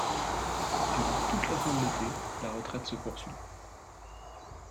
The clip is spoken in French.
Durant tout la fin de l'été, la retraite se poursuit.